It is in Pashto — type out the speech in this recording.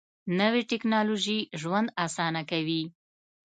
نوې ټیکنالوژي ژوند اسانه کوي